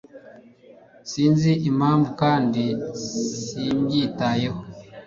Sinzi impamvu kandi simbyitayeho.